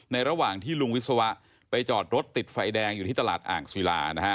ระหว่างที่ลุงวิศวะไปจอดรถติดไฟแดงอยู่ที่ตลาดอ่างศิลานะฮะ